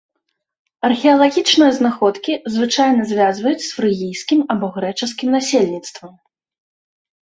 Археалагічныя знаходкі звычайна звязваюць з фрыгійскім або грэчаскім насельніцтвам.